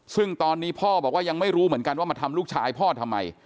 ซึ่งตอนนี้พ่อบอกว่ายังไม่รู้เหมือนกันว่ามาทำลูกชายพ่อทำไม